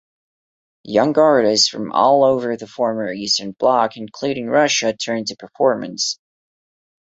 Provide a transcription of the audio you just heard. Young artists from all over the former Eastern bloc, including Russia, turned to performance.